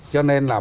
cho nên là